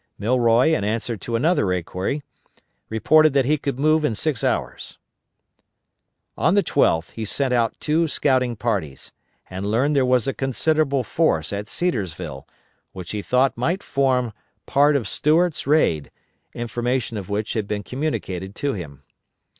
Milroy, in answer to another inquiry, reported that he could move in six hours. On the 12th he sent out two scouting parties, and learned there was a considerable force at Cedarsville, which he thought might form part of Stuart's raid, information of which had been communicated to him.